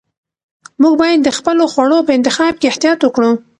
موږ باید د خپلو خوړو په انتخاب کې احتیاط وکړو.